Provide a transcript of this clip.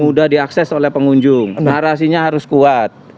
mudah diakses oleh pengunjung narasinya harus kuat